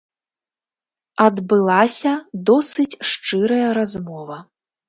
Адбылася досыць шчырая размова.